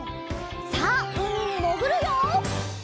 さあうみにもぐるよ！